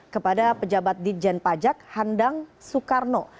kepada pejabat ditjen pajak handang soekarno